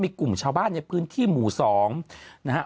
มีกลุ่มชาวบ้านในพื้นที่หมู่๒นะฮะ